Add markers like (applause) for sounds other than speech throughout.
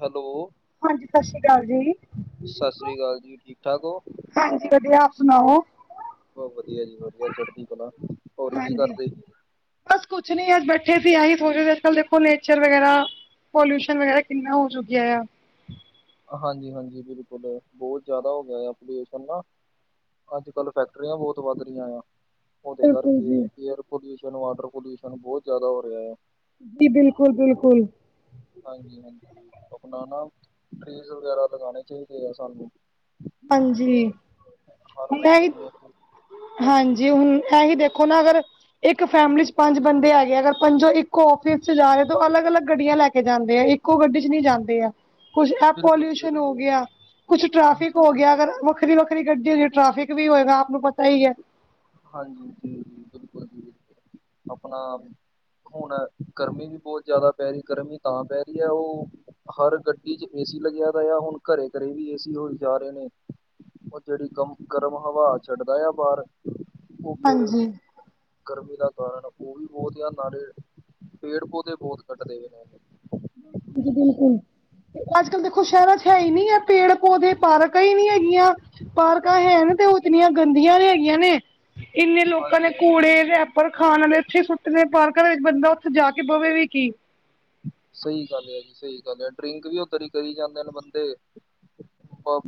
Hello, ਹਾਂਜੀ ਸਤਿ ਸ਼੍ਰੀ ਅਕਾਲ ਜੀ। ਸਤਿ ਠੀਕ ਹੋ? ਸ੍ਰੀ ਅਕਾਲ ਜੀ। ਠੀਕ -ਠਾਕ ਹੋ? ਹਾਂਜੀ ਵਧੀਆ। ਆਪ ਸੁਣਾਓ? ਬਸ ਵਧੀਆ ਜੀ ਵਧੀਆ ਚੜਦੀ ਕਲਾ ਹੋਰ ਕੀ ਹਾਂਜੀ। ਕਰਦੇ? ਬਸ ਕੁਛ ਨੀ ਅੱਜ ਬੈਠੇ ਸੀ ਆਹੀ ਸੋਚ ਰੇ ਅੱਜ ਕੱਲ ਦੇਖੋ ਨੇਚਰ ਵਗੈਰਾ ਪੋਲਿਊਸ਼ਨ ਵਗੈਰਾ ਕਿੰਨਾ ਹੋ ਚੁੱਕਿਆ ਆ। ਹਾਂਜੀ -ਹਾਂਜੀ ਬਿਲਕੁਲ ਬੋਤ ਜ਼ਿਆਦਾ ਹੋ ਗਿਆ ਆ ਪੋਲਿਊਸ਼ਨ ਨਾ। ਅੱਜ ਕੱਲ੍ਹ ਫੈਕਟਰੀਆਂ ਬੋਤ ਵੱਧ ਰਹੀਆਂ ਆ। ਉਹਦੇ ਬਿਲਕੁਲ ਕਰਕੇ ਜੀ, ਏਅਰ ਪੋਲਿਊਸ਼ਨ ਵਾਟਰ ਪੋਲਿਊਸ਼ਨ ਬੋਤ ਜ਼ਿਆਦਾ ਹੋ ਰਿਹਾ ਹੈ। ਜੀ ਬਿਲਕੁਲ- ਬਿਲਕੁਲ। ਹਾਂਜੀ- ਹਾਂਜੀ ਆਪਣਾ ਨਾ ਟਰੀਜ਼ ਵਗੈਰਾ ਲਗਾਣੇ ਚਾਈਦੇ ਆ ਸਾਨੂੰ। ਹਾਂਜੀ। ਹਰ ਬੱਚੇ ਨੂੰ ਇਹ ਹਾਂਜੀ। ਹੁਣ ਐਹੀ ਦੇਖੋ ਨਾ ਅਗਰ, ਇੱਕ ਫੈਮਿਲੀ ਚ' ਪੰਜ ਬੰਦੇ ਹੈਗੇ ਆ ਅਗਰ ਪੰਜੋ ਇੱਕੋ ਓ ਫਿਸ ਚ' ਜਾ ਰੇ ਤਾਂ ਅਲੱਗ -ਅਲੱਗ ਗੱਡੀਆਂ ਲੈ ਕੇ ਜਾਂਦੇ ਆ। ਇੱਕੋ ਗੱਡੀ ਚ' ਨ ਨਹੀਂ ਜਾਂਦੇ ਆ। ਕੁਛ ਐ ਬਿਲਕੁਲ ਪੋਲਿਊਸ਼ਨ ਹੋ ਬਿਲਕੁਲ ਗਿਆ। ਕੁਛ ਟ੍ਰੈਫਿਕ ਹਾਂਜੀ ਹੋ ਗਿਆ ਅਗਰ ਵੱਖਰੀ -ਵੱਖਰੀ ਗੱਡੀ ਹੋਂਦੀ ਟ੍ਰੈਫਿਕ ਵੀ ਹੋਏਗਾ ਆਪ ਨੂੰ ਪਤਾ ਹੀ ਹੈ। ਹਾਂਜੀ ਜੀ। ਜੀ ਬਿਲਕੁਲ ਜੀ, ਬਿਲਕੁਲ ਆਪਣਾ ਹੁਣ ਗਰਮੀ ਵੀ ਬੋਤ ਜ਼ਿਆਦਾ ਪੈ ਰਹੀ ਗਰਮੀ ਤਾਂ ਪੈ ਰਹੀ ਹੈ ਉਹ ਹਰ ਗੱਡੀ ਚ' ਏ ਸੀ ਲੱਗਿਆ ਰੇ ਆ ਹੁਣ ਘਰੇ ਘਰੇ ਵੀ ਏ ਸੀ ਹੋ ਈ ਜਾ ਰਹੇ ਨੇ। ਉਹ ਜੇੜੀ ਗਰਮ -ਗਰਮ ਹਵਾ ਛਡਦਾ ਆ ਬਾਰ ਉਹ ਫੇਰ ਹਾਂਜੀ ਜੀ ਗਰਮੀ ਦਾ ਕਾਰਨ ਉਹ ਵੀ। ਬੋਤ ਆ ਨਾਲੇ ਪੇੜ- ਪੌਦੇ ਬੋਤ ਕੱਟਦੇ ਹੋਏ ਨੇ। ਬਿਲਕੁਲ ਅੱਜ ਕੱਲ ਦੇਖੋ ਸ਼ਹਿਰਾਂ ਚ' ਹੈ ਹੀ ਨੀ ਹੈ ਪੇੜ -ਪੌਦੇ। ਪਾਰਕਾਂ ਹੀ ਨਹੀਂ ਹੈਗੀਆਂ। ਪਾਰਕਾਂ ਹੈ ਤੇ ਉਹ ਇਤਨੀਆਂ ਗੰਦੀਆਂ ਹੈਗੀਆਂ ਨੇ। ਇੰਨੇ ਲੋਕਾਂ ਨੇ ਹਾਂਜੀ ਹਾਂਜੀ ਕੂੜੇ ਪਰ ਖਾਣ ਵਾਲੇ ਇੱਥੇ ਹੀ ਸੁੱਟੇ ਨੇ ਪਰ ਘਰ ਬੰਦਾ ਉੱਥੇ ਜਾ ਕੇ ਬਵੇ ਵੀ ਕੀ। ਸਹੀ ਗੱਲ ਹੈ ਜੀ, ਸਹੀ ਗੱਲ ਹੈ। ਡਰਿੰਕ ਵੀ ਉਧਰ ਕਰੀ ਜਾਂਦੇ ਨੇ ਬੰਦੇ।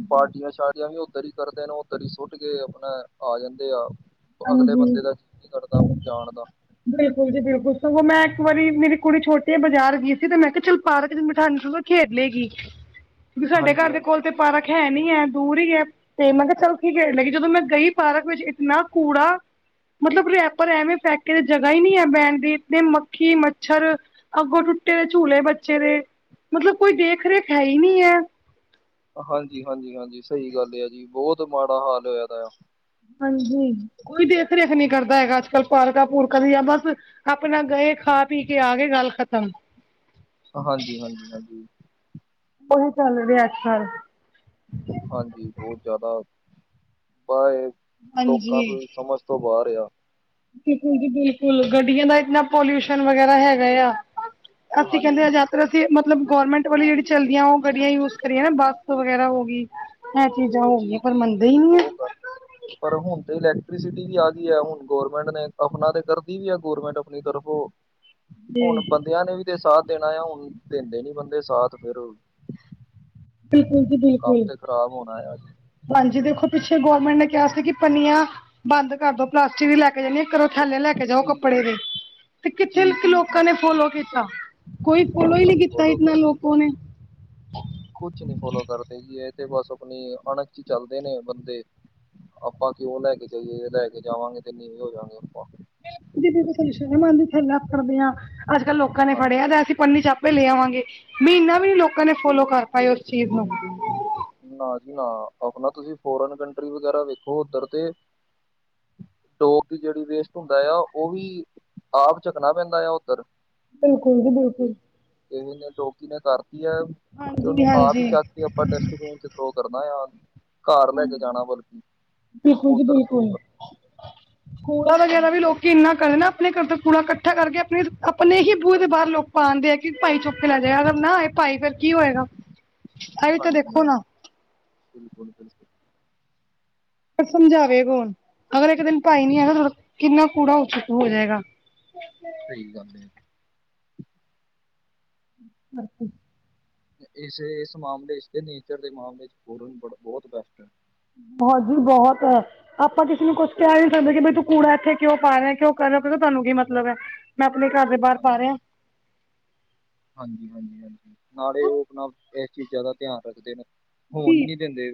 ਪਾਰਟੀਆਂ- ਸ਼ਾਰਟੀਆਂ ਵੀ ਉੱਧਰ ਹੀ। ਕਰਦੇ ਨੇ ਉਹ ਤਰੀ ਸੁੱਟ ਕੇ ਆਪਣਾ ਆ ਜਾਂਦੇ ਆ। ਅਗਲੇ ਹਾਂਜੀ ਬੰਦੇ ਦਾ ਕੀ ਕਰਦਾ ਜਾਣ ਦਾ। ਬੁਡੇਪੇ ਚ ਮੈਂ ਇੱਕ ਵਾਰੀ ਮੇਰੀ ਕੁੜੀ ਛੋਟੀ ਆ ਬਾਜ਼ਾਰ ਗਈ ਸੀ ਤੇ ਮੈਂ ਕਿਹਾ, ਚਲ ਪਾਰਕ ਚ ਬਿਠਾ ਖੇਡ ਲਏਗੀ। (inaudible) ਕਿ ਸਾਡੇ ਘਰ ਦੇ ਹਾਂਜੀ ਕੋਲ ਤੇ ਪਾਰਕ ਹੈ ਨੀ ਹੈ ਦੂਰ ਹੀ ਹੈ। ਤੇ ਮੈਂ ਕੇਆ, ਚੱਲ ਕੀਖੇਲ ਲੇਗੀ। ਜਦੋਂ ਮੈਂ ਗਈ ਼ਪਾਰਕ ਵਿਚ ਇਤਨਾ ਕੂੜਾ ਮਤਲਬ ਰੈਪਰ ਐਵੇਂ ਫੈਕੇ ਦੀ ਜਗ੍ਹ ਹੀ ਨਹੀਂ ਹੈ ਬੈਣ ਦੀ। ਕਿ ਮੱਛਰ ਅੱਗੋਂ ਟੱ ਬਟੇ ਦੇ ਝੂਲੇ ਬੱਚੇ ਦੇ। ਮਤਲਬ ਕੋਈ ਦੇਖ ਰੇਖ ਹੈ ਹੀ ਨਹੀਂ ਹੈ। ਹਾਂਜੀ- ਹਾਂਜੀ -ਹਾਂਜੀ ਸਹੀ ਗੱਲ ਆ ਜੀ ਬਹੁਤ ਮਾੜਾ ਹਾਲ ਹੋਇਆ ਤ ਆ। ਹਾਂਜੀ, ਕੋਈ ਦੇਖ- ਰੇਖ ਨੀ ਕਰਦਾ ਹੈਗਾ। ਅੱਜ ਕੱਲ ਪਾਰਕਾਂ -ਪੂਰਕਾਂ ਦੀ ਜਾਂ ਬਸ ਆਪਣਾ ਗਏ ਖਾ- ਪੀ ਕੇ ਆ ਗਏ ਗੱਲ ਖ਼ਤਮ। ਹਾਂਜੀ- ਹਾਂਜੀ -ਹਾਂਜੀ। ਉਹੀ ਚੱਲ ਰਿਹਾ ਅੱਜਕੱਲ। ਹਾਂਜੀ ਬਹੁਤ ਜ਼ਿਆਦਾ ਪਰ ਲੋਕਾਂ ਹਾਂਜੀ। ਤੋਂ ਹੀ ਸਮਝ ਤੋਂ ਬਾਹਰ ਆ। ਬਿਲਕੁਲ ਜੀ, ਬਿਲਕੁਲ ਗੱਡੀਆਂ ਦਾ ਇੰਨਾ ਪੋਲਿਊਸ਼ਨ ਵਗੈਰਾ ਹੈਗਾ ਆ। ਅਸੀਂ ਕਹਿੰਦੇ ਆ ਹਾਂਜੀ ਯਾਤਰਾ ਬਿਲਕੁਲ ਮਤਲਬ ਗੋਰਮੈਂਟ ਵਾਲੀ ਜਿਹੜੀ ਚੱਲਦੀਆਂ ਉਹ ਗੱਡੀਆਂ ਯੂਜ ਕਰੀਏ ਨਾ ਬੱਸ ਵਗੈਰਾ ਹੋ ਗੀ। ਇਹ ਚੀਜ਼ਾਂ ਹੋ ਗਈਆਂ ਜੀ ਪਰ ਜੀ ਮੰਨਦੇ ਜੀ ਹੀ ਨਹੀਂ ਉਹ ਆ। ਗੱਲ ਪਰ ਹੁਣ ਤੇ ਇਲੈਕਟ੍ਰੀਸਿਟੀ ਵੀ ਆ ਗਈ ਹੈ, ਹੁਣ ਗੌਰਮੈਂਟ ਨੇ ਆਪਣਾ ਤੇ ਕਰਦੀ ਵੀ ਹੈ ਗੌਰਮੈਂਟ ਆਪਣੀ ਤਰਫੋਂ। ਜੀ ਹੁਣ ਬੰਦਿਆਂ ਨੇ ਵੀ ਤੇ ਸਾਥ ਦੇਣਾ ਆ ਹੁਣ ਦਿੰਦੇ ਨੀ ਬੰਦੇ ਸਾਥ ਫਿਰ ਬਿਲਕੁਲ ਜੀ, ਕੰਮ ਬਿਲਕੁਲ। ਤੇ ਖ਼ਰਾਬ ਹੋਣਾ ਆ ਜੀ ਹਾਂਜੀ। ਦੇਖੋ, ਪਿੱਛੇ ਗੌਰਮੈਂਟ ਨੇ ਕਿਹਾ ਸੀ ਕਿ ਪੰਨੀਆਂ ਬੰਦ ਕਰਦੋ ਪਲਾਸਟਿਕ ਦੀ ਲੈ ਕੇ ਜਾਣੀ। ਘਰੋਂ ਥੈਲੇ ਲੈ ਕੇ ਜਾਓ ਜੀ ਕੱਪੜੇ ਦੇ। ਤੇ ਕਿੱਥੇ ਜੀ ਜੀ ਜੀ ਲੋਕਾਂ ਨੇ ਫੋਲੋ ਕੀਤਾ। ਕੋਈ ਫੋਲੋ ਹੀ ਕੁਛ ਨਹੀਂ ਨੀ ਕੀਤਾ ਫੋਲੋ ਕਰ ਇਨਾ ਲੋਕੋ ਨੇ। ਕੁਛ ਨੀ ਫੋਲੋ ਕਰਦੇ ਕਿ ਇਹ ਤੇ ਬਸ ਆਪਣੀ ਅਣਖ ਹੀ ਚੱਲਦੇ ਨੇ ਬੰਦੇ। ਆਪਾਂ ਕਿਉਂ ਲੈ ਕੇ ਜਾਈਏ ਲੈ ਕੇ ਜਾਵਾਂਗੇ ਤੇ ਨੀਵੇ ਹੋ ਜਾਗੇ ਆਪਾਂ। ਦੇਖੋ ਸਾਨੂੰ ਸਰਮ ਆਉਂਦੀ ਥੈਲਾ ਫੜਦੇ ਹਾਂ, ਅੱਜ ਕੱਲ ਲੋਕਾਂ ਨੇ ਫੜਿਆ ਹਾਂਜੀ ਅਸੀਂ ਪੰਨੀ ਚ' ਲੈ ਆਵਾਂਗੇ। ਮਹੀਨਾ ਵੀ ਨੀ ਲੋਕਾਂ ਨੇ ਫੋਲੋ ਕਰ ਪਾਏ ਉਸ ਚੀਜ਼ ਨੂੰ। ਨਾ ਜੀ ਨਾ ਆਪਣਾ ਤੁਸੀਂ ਫੋਰਨ ਕੰਟਰੀ ਵਗੈਰਾ ਵੇਖੋ ਉੱਧਰ ਤੇ ਡੋਕ ਦੀ ਜਿਹੜੀ ਵੇਸਟ ਹੁੰਦਾ ਆ। ਉਹ ਵੀ ਆਪ ਚੱਕਣਾ ਪੈਂਦਾ ਆ ਉੱਧਰ। ਬਿਲਕੁਲ ਜੀ, ਬਿਲਕੁਲ। ਇਹ ਨੇ ਡੋਗੀ ਨੇ ਕਰਤੀ ਹੈ। ਤੇ ਹਾਂਜੀ ਉਹਨੂੰ ਆਪ ਹੀ ਹਾਂਜੀ ਚੱਕ ਕੇ ਪਰ ਡਸਟਬੀਨ ਚ' ਥਰੋ ਕਰਨਾ। ਘਰ ਲੈ ਕੇ ਜਾਣਾ ਬਲਕਿ ਬਿਲਕੁਲ ਜੀ ਉੱਧਰ ਥਰੋ ਬਿਲਕੁਲ ਕਰ। ਕੂੜਾ ਵਗੈਰਾ ਵੀ ਹਾਂਜੀ ਲੋਕ ਇੰਨਾ ਕਰੇ ਨਾ ਆਪਣੇ ਘਰ ਦਾ ਕੂੜਾ ਇਕੱਠਾ ਕਰਕੇ ਆਪਣੇ -ਆਪਣੇ ਹੀ ਬੂਹੇ ਦੇ ਹਾਂਜੀ ਬਾਹਰ ਲੋਕ ਪਾ ਦਿੰਦੇ ਆ ਕਿ ਭਾਈ ਚੁਕੇ ਲੈ ਜਾਏਗਾ ਨਾ। ਇਹ ਭਾਈ ਫੇਰ ਕੀ ਹੋਏਗਾ। ਇਹ ਵੀ ਤਾਂ ਹਾਂਜੀ ਦੇਖੋ ਹਾਂਜੀ ਨਾ। ਬਿਲਕੁਲ- ਬਿਲਕੁਲ। ਪਰ ਸਮਝਾਵੇ ਕੌਣ। ਅਗਰ ਇੱਕ ਦਿਨ ਭਾਈ ਨੀ ਸਹੀ ਆਏਗਾ ਕਿੰਨਾ ਕੂੜਾ ਉਚੁ ਹੋ ਜਾਏਗਾ। ਸਹੀ ਗੱਲ ਏ। ਬਾਛੀ। ਇਸ ਇਸ ਮਾਮਲੇ ਵਿੱਚ ਤੇ ਨੇਚਰ ਦੇ ਮਾਮਲੇ ਚ' ਫੋਰਨ ਬ ਬਹੁਤ ਬੈਸਟ ਹੈ। ਹਾਂਜੀ। ਬਹੁਤ ਆਪਾਂ ਕਿਸੇ ਨੂੰ ਕੁਛ ਉਹ ਕਹਿ ਨ ਸਕਦੇ ਕਿ ਬ ਤੂੰ ਕੂੜਾ ਇੱਥੇ ਕਿਉਂ ਪਾ ਰਿਹਾ ਕਿਉਂ ਕਰ ਰਿਹਾ ਹੋ ਪ ਤੁਹਾਨੂੰ ਕੀ ਮਤਲਬ ਹੈ। ਮੈਂ ਆਪਣੇ ਘਰ ਦੇ ਬਾਹਰ ਹਾਂਜੀ ਪਾ ਰਿਹਾ। ਹਾਂਜੀ -ਹਾਂਜੀ- ਹਾਂਜੀ ਨਾਲੇ ਉਹ ਆਪਣਾ ਇਸ ਚੀਜ਼ਾਂ ਦਾ ਧਿਆਨ ਰੱਖਦੇ ਨੇ। ਹੋਣ ਜੀ ਨੀ ਦਿੰਦੇ।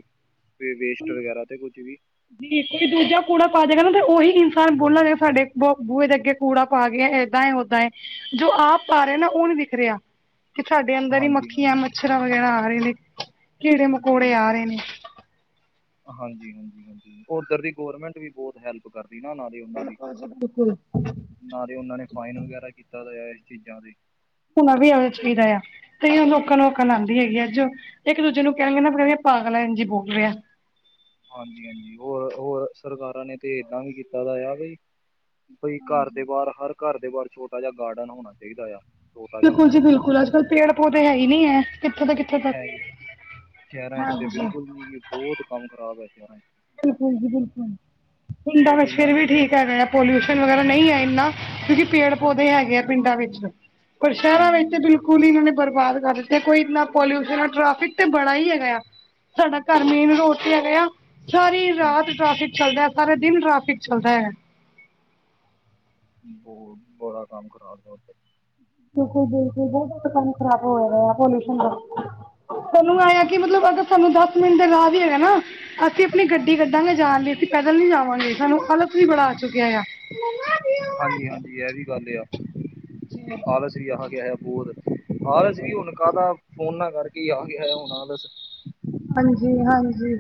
ਵੇਸਟ ਕੋਈ ਵਗੈਰਾ ਤੇ ਕੁੱਝ ਵੀ ਕੋਈ ਦੂਜਾ ਕੂੜਾ ਪਾ ਜਾਵੇਗਾ ਨਾ ਤੇ ਉਹੀ ਇਨਸਾਨ ਬੋਲਾਂਗੇ ਸਾਡੇ ਬ ਬੂਹੇ ਦੇ ਅੱਗੇ ਕੂੜਾ ਪਾ ਗਿਆ। ਏਦਾਂ, ਓਦਾਂ ਏ ਜੋ ਆਪ ਪਾ ਰਹੇ ਨਾ ਉਹ ਨੀ ਦਿਖ ਰਿਹਾ। ਤੇ ਸਾਡੇ ਅੰਦਰ ਹੀ ਹਾਂਜੀ ਮੱਖੀਆਂ, ਹਾਂਜੀ ਮੱਛਰਾਂ ਵਗੈਰਾ ਆ ਰਹੇ ਨੇ। ਕੀੜੇ ਜੀ ਮਕੌੜੇ ਆ ਰਹੇ ਨੇ ਹਾਂਜੀ- ਹਾਂਜੀ -ਹਾਂਜੀ ਉੱਧਰ ਦੀ ਗੌਰਮੈਂਟ ਵੀ ਬਹੁਤ ਹੈਲਪ ਕਰਦੀ। ਨਾ ਨਾਲ ਦੀ ਉਹਨਾਂ ਦੀ ਬਿਲਕੁਲ ਨਾ ਦੀ ਉਹਨਾਂ ਨੇ ਫਾਈਨ ਵਗੈਰਾ ਕੀਤਾ ਇਸ ਚੀਜ਼ਾਂ ਤੇ। ਹੁਣਾ ਵੀ ਆ ਚਾਹੀਦਾ ਆ। ਤੇ ਲੋਕਾਂ ਨੂੰ ਅਕਲ ਆਉਂਦੀ ਹੈਗੀ ਆ। ਅੱਜ ਇੱਕ ਦੂਜੇ ਨੂੰ ਕਹਿਣਗੇ ਨਾ ਪਾਗਲ ਇੰਝ ਈ ਬੋਲ ਰਿਹਾ। ਹਾਂਜੀ ਹਾਂਜੀ ਹੋਰ ਹੋਰ ਸਰਕਾਰਾਂ ਨੇ ਤੇ ਏਦਾਂ ਵੀ ਕੀਤਾ ਦਾ ਆ ਬਾਈ। ਬਈ ਘਰ ਦੇ ਬਾਰ ਹਰ ਘਰ ਦੇ ਬਾਰ ਛੋਟਾ ਜਿਆ ਗਾਰਡਨ ਹੋਣਾ ਚਾਈਦਾ ਆ। ਛੋਟਾ ਜਿਹਾ ਬਿਲਕੁਲ ਜੀ ਮਤਲਬ ਬਿਲਕੁਲ ਉਹਦੇ ਅੱਜ ਕੱਲ੍ਹ ਪੇੜ -ਪੌਦੇੇ ਹੈ ਈ ਨੀ ਐ। ਕਿੱਥੇ ਦਾ ਕਿੇ ਹੈ ਈ, ਸੈ਼ਰਾਂ ਇਸਤੇ ਜੀ ਬਿਲਕੁਲ ਵੀ ਬੋਤ ਕੰਮ ਖ਼ਰਾਬ ਐ ਸ਼ੈਰਾਂ 'ਚ। ਬਿਲਕੁਲ ਜੀ ਬਿਲਕੁਲ ਪਿੰਡਾਂ ਉੱਪਰੋਂ ਦੀ ਵਿੱਚ ਇਹਨਾਂ ਫਿਰ ਨੇ ਵੀ ਠੀਕ। ਪੋਲਿਊਸ਼ਨ ਵਗੈਰਾ ਨਈ ਹੈ ਏਨਾ, ਕਿਉਂਕਿ ਪੇੜ ਪੌਦੇ ਹਾਂਜੀ ਹਾਂਜੀ ਹੈਗੇ ਆ ਪਿੰਡਾਂ ਵਿੱਚ। ਪਰ ਸ਼ੈਰਾਂ ਹਾਂਜੀ ਵਿੱਚ ਤੇ ਬਿਲਕੁਲ - ਪੂਲੀ ਹੀ ਓ ਨੇ ਬਰਬਾਦ ਕਰ ਦਿੱਤੀ। ਕੋਈ ਨਾ ਪੋਲਿਊਸ਼ਨ ਟ੍ਰੈਫਿਕ ਤੇ ਬੜਾ ਈ ਹੈਗਾ ਆ। ਸਾਡਾ ਘਰ ਬਹੁਤ ਮੇਨ ਜ਼ਿਆਦਾ ਰੋਡ ਤੇ ਹੈਗੇ ਆ, ਸਾਰੀ ਰਾਤ ਹਾਂਜੀ ਟ੍ਰੈਫਿਕ ਚੱਲਦਾ। ਸਾਰੇ ਦਿਨ ਟ੍ਰੈਫਿਕ ਚੱਲਦਾ ਐ। ਬੋ ਬੜਾ ਕੰਮ ਖਰਾਬ (unintelligible) ਬਿਲਕੁਲ ਬਿਲਕੁਲ ਬੋ ਜਾਦਾ ਕੰਮ ਖਰਾਬ ਹੋ ਰਿਆ ਪੋਲਿਊਸ਼ਨ ਦਾ। ਸਾਨੂੰ ਆਇਆ ਕੀ ਮਤਲਬ ਅਗਰ ਸਾਨੂੰ ਦਸ ਮਿੰਟ ਦਾ ਰਾ ਵੀ ਹੈਗਾ ਨਾ। ਅਸੀਂ ਆਪਣੀ ਗੱਡੀ ਕੱਢਾਂਗੇ ਜਾਣ ਲਈ, ਅਸੀਂ ਪੈਦਲ ਨੀ ਜਾਵਾਂਗੇ। ਸਾਨੂੰ ਆਲਸ ਵੀ ਬੜਾ ਆ ਚੁੱਕਿਆ ਆ। ਹਾਂਜੀ ਹਾਂਜੀ ਐ ਵੀ ਗੱਲ ਆ। ਜਿਵੇਂ। ਆਲਸ ਵੀ ਆ ਗਿਆ ਆ ਬੋਤ। ਆਲਸ ਵੀ ਹੁਣ ਕਾਦਾ ਫੋਨਾਂ ਕਰਕੇ ਈ ਆ ਗਿਆ ਹੁਣ ਆਲਸ। ਹਾਂਜੀ ਹਾਂਜੀ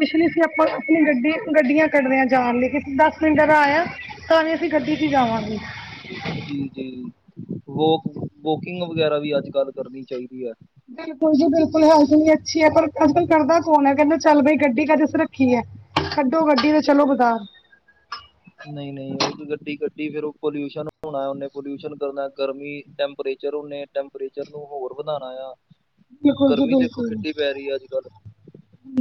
ਮਿਸ਼ਲੀ ਸੀ ਆਪਾਂ ਆਪ- ਆਪਣੀ ਗੱਡੀ ਗੱਡੀਆਂ। ਕੱਢਦੇ ਆਂ ਜਾਣ ਲਈ ਕੀ ਦਸ ਮਿੰਟ ਦਾ ਰਾ ਆਇਆ ਤਾਂ ਵੀ ਅਸੀਂ ਗੱਡੀ 'ਚ ਈ ਹਾਂਜੀ, ਜਾਵਾਂਗੇ। ਜੀ ਜੀ ਵੋਕ ਵੋਕਿੰਗ ਵਗੈਰਾ ਵੀ ਅੱਜ ਕੱਲ੍ਹ ਕਰਨੀ ਚਾਈਦੀ ਐ। ਬਿਲਕੁਲ ਜੀ ਬਿਲਕੁਲ ਹੈਲਥ ਵੀ ਅੱਛੀ ਐ, ਪਰ ਅਜਕੱਲ ਕਰਦਾ- ਕੌਣ ਐ ਕੈਂਦੇ ਚੱਲ ਬਈ ਗੱਡੀ ਕਾਦੇ ਅਸੇ ਰੱਖੀ ਐ। ਛਢੋ ਗੱਡੀ ਤੇ ਚਲੋ ਬਦਾਰ। ਨਈ ਨਈ ਇੱਕ ਗੱਡੀ ਕੱਢੀ ਫੇਰ ਓ ਪੋਲਿਊਸ਼ਨ ਹੋਣਾ, ਓਨੇ ਪੋਲਿਊਸ਼ਨ ਕਰਨਾ ਗਰਮੀ ਟੈਂਪਰੇ- ਚਰ ਓਨੇ ਟੈਂਪਰੇਚਰ ਨੂੰ ਹੋਰ ਵਧਾਣਾ ਆ। ਬਿਲਕੁਲ ਜੀ ਗਰਮੀ ਦੇਖੋ ਬਿਲਕੁਲ ਕਿੱਡੀ ਪੈ ਰੀ ਐ ਅੱਜ ਕੱਲ੍ਹ।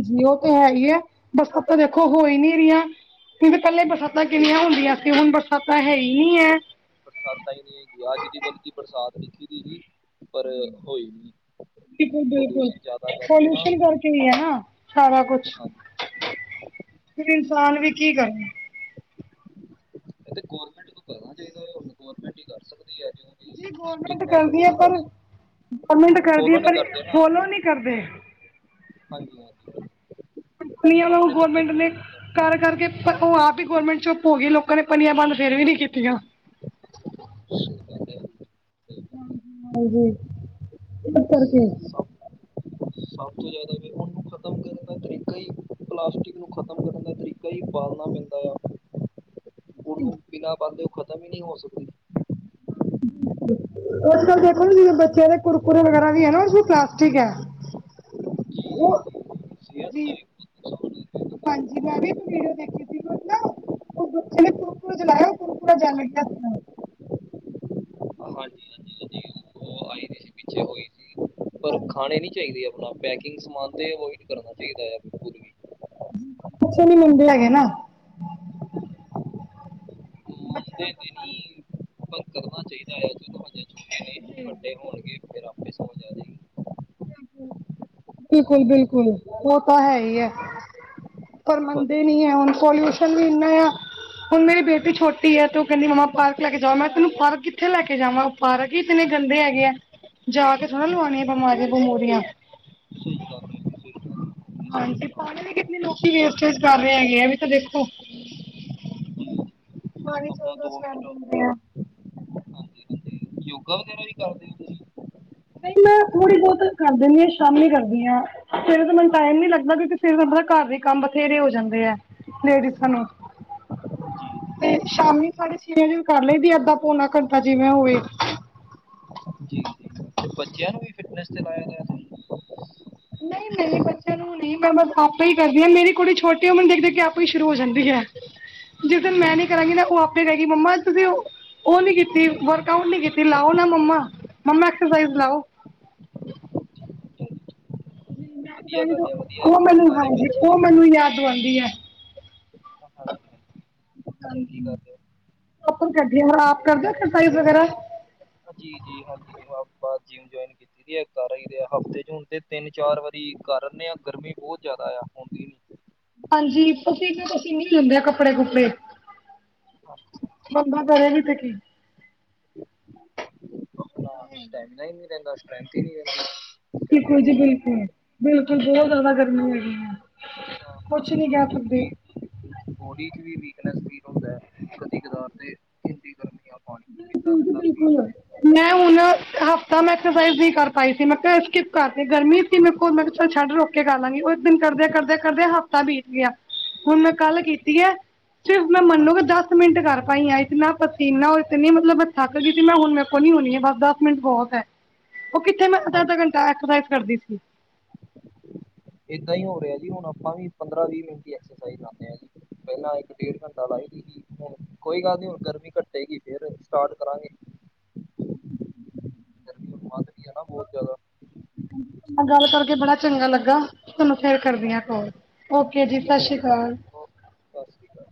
ਜੀ ਓ ਤੇ ਹੈ ਈ ਐ ਬਸ ਆਪੇ ਦੇਖੋ ਹੋ ਈ ਨਈਂ ਰੀਆਂ। ਕਿਉਂਕਿ ਪੈਲੇ ਬਰਸਾਤਾਂ ਕਿੰਨੀਆਂ ਹੁੰਦੀਆਂ ਸੀ ਹੁਣ ਬਰਸਾਤਾਂ ਹੈ ਈ ਨ੍ਹੀਂ ਐ। ਬਰਸਾਤਾਂ ਹੀ ਨਈਂ ਹੈਗੀ ਅੱਜ ਦੀ ਬਲਕੀ ਬਰਸਾਤ ਲਿੱਖੀ ਦੀ ਹੀ। ਪਰ ਹੋਈ ਨੀਂ ਪੋਲਿਊਸ਼ਨ ਜ਼ਿਆਦਾ ਕਰਕੇ ਨਾ ਕੀ ਐ ਨਾ ਸਾਰਾ ਕੁਛ। ਹਾਂਜੀ। ਫਿਰ ਇਨਸਾਨ ਵੀ ਕੀ ਕਰੇ। ਏਥੇ ਗੌਰਰਮੈਂਟ ਤੋਂ ਪੈਣਾ ਚਾਈਦਾ ਗੌਰਰਮੈਂਟ ਈ ਕਰ ਸਕਦੀ ਆ ਜੂਂ। ਜੀ ਗੌਰਮੈਂਟ ਕਰਦੀ ਐ ਪਰ ਗੌਰਰਮੈਂਟ ਕਰਦੀ ਐ ਫੋਲੋ ਨਹੀਂ ਪਰ ਕਰਦੇ ਨਾ ਫੋਲੋ ਨਈਂ ਕਰਦੇ। ਹਾਂਜੀ ਹਾਂਜੀ ਕੁਈਆਂ ਆਪਣੇ ਬੰਦੇ ਗੌਰਮੈਂਟ ਨੇ ਫੋਲੋ ਨਹੀਂ ਕਰਦੇ ਕਰ-ਕਰ ਕੇ ਉਹ ਆਪ ਹੀ ਗੌਰਰਮੈਂਟ ਚੁੱਪ ਹੋਗੀ ਲੋ। ਆਪਾਂ ਨੇ ਪਨੀਆਂ ਦਾਨ ਫਿਰ ਵੀ ਨੀ ਕੀਤੀਆਂ। ਸਹੀ ਗੱਲ ਹੈ ਤੇ ਹਾਂਜੀ ਹਾਂਜੀ, ਇਸ ਕਰਕੇ। (inaudible) ਸਭ ਤੋਂ ਜ਼ਿਆਦਾ ਵੇ ਓਨੂੰ ਖ਼ਤਮ ਕਰਨ ਦਾ ਤਰੀਕਾ ਈ ਪਲਾਸਟਿਕ ਨੂੰ ਖ਼ਤਮ ਕਰਨ ਦਾ ਤਰੀ ਕਈ ਬਾਲਣਾ ਪੈਂਦਾ ਆ, ਓਨੂੰ ਬਿਨਾਂ ਬਾਂਦੋ ਓਹ ਖਤਮ ਈ ਨ੍ਹੀ ਹੋ ਸਕਦੀ। ਅੱਜ-ਕਲ ਦੇਖੋ ਨਾ ਜਿਦਾਂ ਚਲੋ ਕੁਰਕੁਰੇ ਵਗੈਰਾ ਵੀ ਐ ਨਾ ਓਦੇ ਚ ਪਲਾਸਟਿਕ ਐ। (inaudible) ਓਹ ਸਿਹਤ ਜੀ, ਦਾ ਵੀ ਬਹੁਤ ਨੁਕਸਾਨ ਹੈ। ਹਾਂਜੀ ਮੈਂ ਵੀ ਇੱਕ ਵੀਡੀਓ ਦੇਖੀ ਓਚ ਨਾ ਉਸ ਬੱਚੇ ਨੇ ਕੁਰਕੁਰੇ ਜਲਾਏ, ਕੁਰ ਰਲ-ਕੁਰੇ ਜਲ ਗੇ (unintelligible) ਹਾਂਜੀ ਹਾਂਜੀ, ਹਾਂਜੀ ਉਹ ਆਈ ਦੀ ਸੀ ਪਿੱਛੇ ਹੋਈ ਸੀ ਪਰ ਹਾਂਜੀ ਖਾਣੇ ਨੀ ਚਾਈਦੇ ਐ। ਆ ਪੈਕਿੰਗ ਸਮਾਨ ਤੇ ਅਵੋਇਡ ਕਰਨਾ ਚਾਈਦਾ ਆ ਵੇ ਪੂਰੀ ਪਿਛੇ ਨੀ ਮਨਦੇ ਹੈਗੇ ਨਾ। ਬੱਚਿਆਂ ਨੂੰ ਪਸੰਦ ਨਈ-ਨਈ ਬੰਦ ਕਰਨਾ ਚਈਦਾ ਆ ਚਲੋ ਹਜੇ ਛੋਟੇ ਨੇ ਵੱਡੇ ਹੋਨਗੇ ਫੇਰ ਫੇਰ ਸਮਜ ਆਜੇਗੀ। ਬਿਲਕੁਲ-ਬਿਲਕੁਲ ਹੋਤਾ ਹੈ ਯੇ ਪਰ ਮੰਨਦੇ ਹਾਂਜੀ ਨੀ ਐ ਹਾਂਜੀ ਹੁਨ ਪੋਲਿਊਸ਼ਨ ਵੀ ਇੰਨਾ ਆ ਹੁਨ ਮੇਰੀ ਬੇਟੀ ਛੋਟੀ ਐ ਤੇ ਓ ਕੈਂਦੀ ਮੰਮਾ ਪਾਰਕ ਲੈ ਕੇ ਜਾਓ ਮੈਂ ਤੈਨੂੰ ਪਾਰਕ ਕਿੱਥੇ ਲੈ ਕੇ ਜਾਵਾਂ। ਪਾਰਕ ਇਤਨੇ ਗੰਦੇ ਹੈਗੇ ਆ ਜਾ ਕੇ ਥੋੜ੍ਹਾ ਲਵਾਨੀਆਂ ਬਮਾਰੀਆਂ ਬਮੂਰੀਆਂ ਸਹੀ ਗੱਲ ਹੈ ਜੀ ਸਹੀ ਗੱਲ ਹੈ। ਆਪਣੀ ਹਾਂਜੀ ਸਿਹਤ ਸਭ ਤੋਂ ਪਾਨੀ ਦੀ ਵੀ ਪਹਿਲਾਂ ਕਿੰਨੀ ਲੋਕੀ ਵੇਸਟੇਜ ਕਰ ਰਹੇ ਹੈਗੇ ਐ ਵੀ ਤਾਂ ਦੇਖੋ। ਪਾਨੀ ਚ ਆਪਣਾ ਤਾਂ ਦੋ ਸੰਡ ਮਿੰਟ ਹੁੰਦੇ ਆ। ਹਾਂਜੀ ਹਾਂਜੀ ਯੋਗਾ ਵਗੈਰਾ ਵੀ ਕਰਦੇ ਓਂ ਤੁਸੀਂ ਨਈ ਮੈਂ ਥੋੜ੍ਹੀ ਬੌਤ ਕਰ ਦਿੰਨੀ ਆ ਸ਼ਾਮੀ ਕਰਦੀ ਆਂ। ਸਵੇਰੇ ਤਾਂ ਮੈਨੂੰ ਟਾਈਮ ਨੀ ਲੱਗਦਾ ਕਿਓਂਕਿ ਸਵੇਰੇ ਤਾਂ ਆਪਨੇ ਘਰ ਵੀ ਕੰਮ ਬਥੇਰੇ ਹੋ ਜਾਂਦੇ ਆ ਲੇਡੀਸਾਂ ਨੂੰ। ਜੀ ਜੀ ਤੇ ਸ਼ਾਮੀ ਸਾਢੇ ਛੇ ਵਜੇ ਵੀ ਕਰ ਲਈਦੀ ਐ ਅੱਧਾ ਪੌਨਾ ਘੰਟਾ ਜਿਵੇਂ ਹੋਵੇ। ਜੀ-ਜੀ ਮੈ ਤੇ ਬੱਚਿਆਂ ਨੂੰ ਵੀ ਫਿਟਨਸ ਤੇ ਲਾਏਆ ਹੋਏਆ ਤੁਸੀਂ। ਨਈ-ਨਈ ਬੱ ਨੂੰ ਨੀ ਮੈਂ ਬਸ ਆਪੇ ਈ ਕਰਦੀ ਆਂ ਮੇਰੀ ਕੁੜੀ ਛੋਟੀ ਐ ਓ ਮੈਨੂੰ ਦੇਖ-ਦੇਖ ਕੇ ਆਪੇ ਈ ਸ਼ੁਰੂ ਹੋ ਜਾਂਦੀ ਐ। ਜਿਸ ਦਿਨ ਮੈਂ ਠੀਕ ਨੀ ਕਰਾਂਗੀ ਹੈ ਨਾ ਓ ਆਪੇ ਕਹੇਗੀ ਮੰਮਾ ਤੁਸੀਂ ਉ ਓ ਨੀ ਕੀਤੀ ਵਰਕ ਆਊਟ ਨੀ ਕੀਤੀ ਲਾਓ ਨਾ ਮੰਮਾ, ਮੰਮਾ ਐਕਸਰਸਾਈਜ਼ ਲਾਓ। ਠੀਕ ਹੈ ਜੀ, ਜੀ ਵਧੀਆ ਮੈਂ ਗੱਲ ਹੈ ਵਧੀਆ ਓ ਹੈ, ਮੈਨੂੰ ਨਾਲੇ ਹਾਂਜੀ ਬੱਚੇ ਓ ਮੈਨੂੰ ਯਾਦ ਦਵਾਂਦੀ ਐ ਚੰਗੀ ਹਾਂਜੀ। ਗੱਲ ਹੈ ਓ ਆਪ ਕਰਦੀ ਐ ਅਗਰ ਆਪ ਕਰਦੇ ਓ ਐਕਸਰਸਾਈਜ਼ ਵਗੈਰਾ ਜੀ-ਜੀ ਹਾਂਜੀ ਆਪਾਂ ਜਿਮ ਜੁਆਇਨ ਕੀ ਦੀਦੀ ਐ ਕਰ ਆਈ ਦੇ ਆ ਹਫ਼ਤੇ ਚ ਹੁਨ ਤੇ ਤਿੰਨ ਚਾਰ ਵਾਰੀ ਕਰ ਆਨੇ ਆ ਗਰਮੀ ਬੋਤ ਜ਼ਾਦਾ ਆ ਹੁੰਦੀ ਨੀ। ਹਾਂਜੀ ਪਸੀਨੇ-ਪਸੀਨੇ ਹੁੰਦੇ ਆ ਕੱਪੜੇ ਕੁੱਪੜੇ। (inaudible) ਬੰਦਾ ਕਰੇ ਵੀ ਤੇ ਕੀ ਆਪਨਾ ਸਟੈਮਿਨਾ ਈ ਨੀ ਰੈਂਦਾ ਸਟਰ੍ਰੈਂਥ ਈ ਨੀ ਰੈਂਦੀ, ਗਰਮੀ ਬਿਲਕੁਲ ਜੀ ਬੋਤ ਐ। ਬਿਲਕੁਲ ਬਿਲਕੁਲ ਬਹੁ ਜ਼ਾਦਾ ਗਰਮੀ ਹੈਗੀ ਐ, ਹਾਂ ਕੁਛ ਹਾਂਜੀ ਨੀ ਕੈ ਹਾਂਜੀ ਸਕਦੇ। ਵੀ ਬੋਡੀ ਚ ਵੀ ਵੀਕਨੈਸ ਫੀਲ ਹੁੰਦਾ ਕਦੀ ਕਦਾਰ ਤੇ ਹੁੰਦੀ ਗਰਮੀ ਐ। ਬਿਲਕੁਲ ਜੀ ਬਿਲਕੁਲ, ਮੈਂ ਹੁਨ ਹਫ਼ਤਾ ਮੈਂ ਐਕਸਾਈਜ਼ ਨੀ ਕਰ ਪਾਈ ਸੀ ਮੈਂ ਕਿਆ ਸਕਿ ਪ ਕਰਕੇ ਗਰਮੀ ਸੀ ਮੇਰੇ ਕੋਲ ਮੈਂ ਕਿਆ ਚੱਲ ਛੱਡ ਰੁਕ ਕੇ ਕਰਲਾਂਗੀ ਓ ਇੱਕ ਦਿਨ ਕਰਦੇ-ਕਰਦੇ ਹਫ਼ਤਾ ਬੀਤ ਗਿਆ। ਹੁਨ ਮੈਂ ਕੱਲ ਕੀਤੀ ਐ, ਸਿਰਫ ਮੈਂ ਮੰਨੋਗੇ ਹਾਂਜੀ ਦਸ ਮਿੰਟ ਕਰ ਪਾਈ ਆ ਇਤਨਾ ਪਸੀਨਾ ਓ ਇਤਨੀ ਮਤਲਬ ਮੈਂ ਥੱਕ ਗੀ ਸੀ ਮੈਂ ਕਾ ਨਾ ਹੁਨ ਮੇਰੇ ਕੋਲ ਨੀ ਹੋਨੀ ਐ ਬਸ ਦਸ ਮਿੰਟ ਬੋਤ ਐ। ਓ ਕਿੱਥੇ ਮੈਂ ਅੱਦਾ-ਅੱਦਾ ਹਾਂਜੀ ਘੰਟਾ ਐਕਸਰਸਾਈਜ਼ ਕਰਦੀ ਸੀ। ਏਦਾਂ ਈ ਹੋ ਰਿਆ ਜੀ ਹੁਨ ਆਪਾਂ ਵੀ ਪੰਦਰਾਂ ਵੀਹ ਮਿੰਟ ਈ ਐਕਸਰਸਾਈਜ਼ ਲਾਨੇ ਆ ਜੀ। ਪੈਲਾਂ ਇੱਕ ਡੇਢ ਘੰਟਾ ਲਾਈਦੀ ਸੀ। ਹੁਨ ਕੋਈ ਗੱਲ ਨੀ ਹੁਨ ਗਰਮੀ ਘੱਟੇਗੀ ਫੇਰ ਸਟਾਟ ਕਰਾਂਗੇ। ਗਰਮੀ ਓ ਵਧ ਰਈ ਐ ਨਾ ਬੋਤ ਜ਼ਾਦਾ। ਨਾਲ ਗੱਲ ਕਰਕੇ ਬੜਾ ਚੰਗਾ ਲੱਗਾ। ਤਾਨੂੰ ਫੇਰ ਕਰਦੀ ਆ ਹਾਂਜੀ ਕੋਲ, ਓਕੇ ਜੀ ਠੀਕ ਹੈ ਸਸ ਰੀ ਕਾਲ। ਓ ਸਤਿ ਸ਼੍ਰੀ ਅਕਾਲ